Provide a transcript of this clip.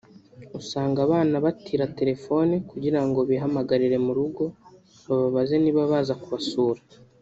usanga abana batira telefoni kugirango bihamagarire mu rugo bababaze niba baza kubasura